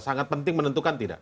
sangat penting menentukan tidak